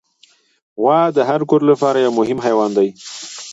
غوا د هر کور لپاره یو مهم حیوان دی.